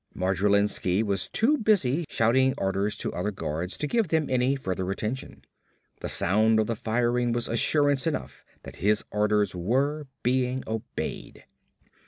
Modrilensky was too busy shouting orders to other guards to give them any further attention. The sound of the firing was assurance enough that his orders were being obeyed.